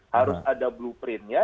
harus ada blueprint nya